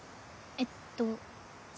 えっと。